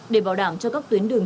để bảo đảm cho các tuyến giao thông